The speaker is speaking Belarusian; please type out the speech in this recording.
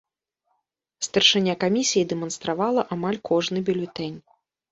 Старшыня камісіі дэманстравала амаль кожны бюлетэнь.